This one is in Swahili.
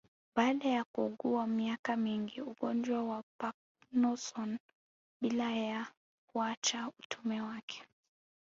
Baada ya kuugua miaka mingi Ugonjwa wa Parknson bila ya kuacha utume wake